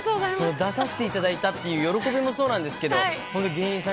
出させていただいたという喜びもそうなんですけど、芸人さん